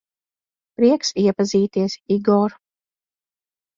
Prieks iepazīties, Igor.